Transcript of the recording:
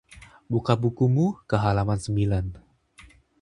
Buka bukumu ke halaman sembilan.